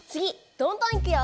こんどはいくよ！